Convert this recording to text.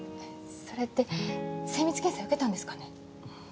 それって精密検査受けたんですかね？